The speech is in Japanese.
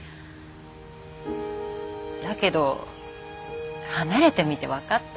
だけど離れてみて分かった。